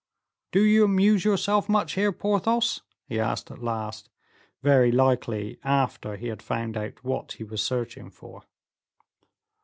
"Do you amuse yourself much here, Porthos?" he asked at last, very likely after he had found out what he was searching for.